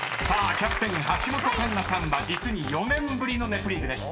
［キャプテン橋本環奈さんは実に４年ぶりの『ネプリーグ』です］